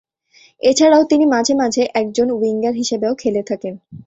এছাড়াও তিনি মাঝে মাঝে একজন উইঙ্গার হিসেবেও খেলে থাকেন।